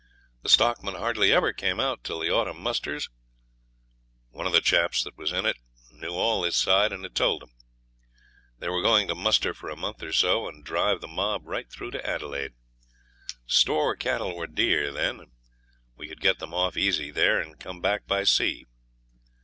The stockmen hardly ever came out till the autumn musters. One of the chaps that was in it knew all this side and had told them. They were going to muster for a month or so, and drive the mob right through to Adelaide. Store cattle were dear then, and we could get them off easy there and come back by sea.